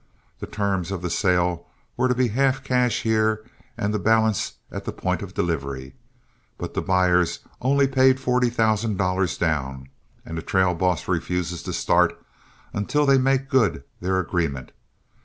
The terms of the sale were to be half cash here and the balance at the point of delivery. But the buyers only paid forty thousand down, and the trail boss refuses to start until they make good their agreement.